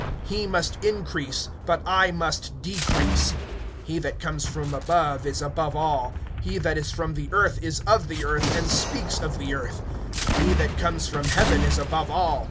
(30)He must increase, but I must decrease. (31)He that comes from above is above all; he that is from the earth is of the earth, and speaks of the earth; he that comes from heaven is above all.